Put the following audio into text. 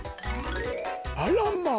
あらまあ！